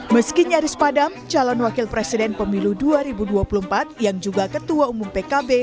meski nyaris padam calon wakil presiden pemilu dua ribu dua puluh empat yang juga ketua umum pkb